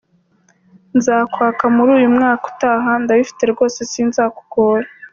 nzakwaka muri uyu mwaka utaha! Ndabifite rwose sinzakugora!.